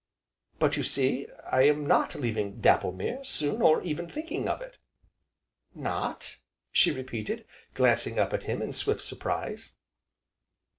"But you see, I am not leaving Dapplemere soon or even thinking of it." "Not?" she repeated, glancing up at him in swift surprise.